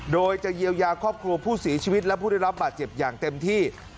โดยจะเยียวยาครอบครัวผู้เสียชีวิตและผู้ได้รับบาดเจ็บอย่างเต็มที่